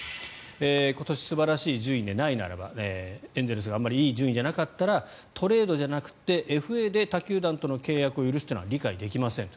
今年、素晴らしい順位でないならばエンゼルスがあまりいい順位じゃなかったらトレードじゃなくてＦＡで他球団との契約を許すのは理解できません。